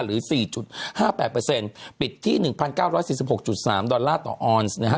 หรือ๔๕๘ปิดที่๑๙๔๖๓ดอลลาร์ต่อออนซ์นะฮะ